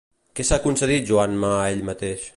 Què s'ha concedit Juanma a ell mateix?